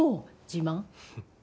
自慢？